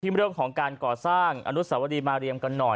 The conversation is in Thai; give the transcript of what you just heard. เรื่องของการก่อสร้างอนุสวรีมาเรียมกันหน่อย